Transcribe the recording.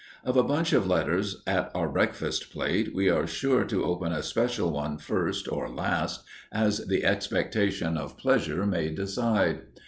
Of a bunch of letters at our breakfast plate, we are sure to open a special one first or last, as the expectation of pleasure may decide.